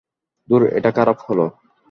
ধুর, এটা খারাপ হলো।